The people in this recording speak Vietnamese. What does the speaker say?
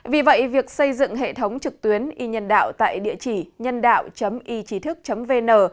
vì vậy việc xây dựng hệ thống trực tuyến y nhân đạo tại địa chỉ nhân đạo echitok vn